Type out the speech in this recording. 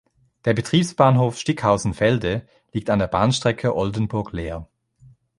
Der Betriebsbahnhof "Stickhausen-Felde" liegt an der Bahnstrecke Oldenburg–Leer.